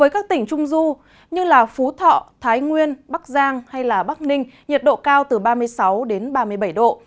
các tỉnh trung du như phú thọ thái nguyên bắc giang hay bắc ninh nhiệt độ cao từ ba mươi sáu đến ba mươi bảy độ